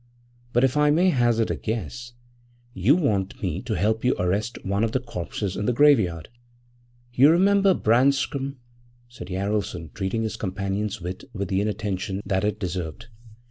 But if I may hazard a guess, you want me to help you arrest one of the corpses in the graveyard.' 'You remember Branscom?' said Jaralson, treating his companion's wit with the inattention that it deserved.